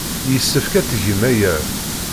Yessefk ad tgem aya.